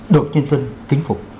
được nhân dân tính phục